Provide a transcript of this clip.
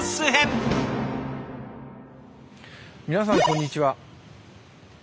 皆さんこんにちは。